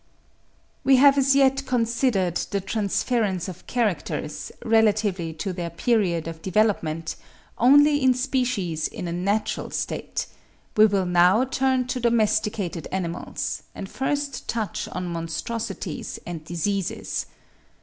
We have as yet considered the transference of characters, relatively to their period of development, only in species in a natural state; we will now turn to domesticated animals, and first touch on monstrosities and diseases.